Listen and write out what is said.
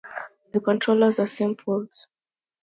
The controls are simple.